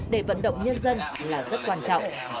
để vận động nhân dân là rất quan trọng